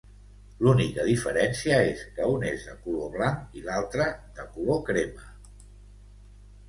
L'única diferència és que un és de color blanc i l'altre de color crema.